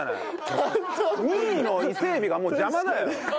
２位の伊勢海老がもう邪魔だよ。